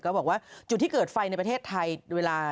บอกว่าจุดที่เกิดไฟในประเทศไทยเวลา